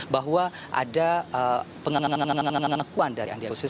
bahwa ada pengenekuan dari andi agustinus